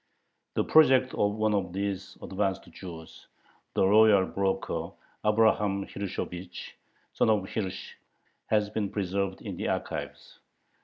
The project of one of these "advanced" Jews, the royal broker Abraham Hirschovich (son of Hirsch), has been preserved in the archives.